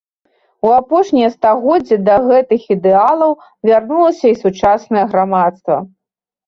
У апошнія стагоддзі да гэтых ідэалаў вярнулася і сучаснае грамадства.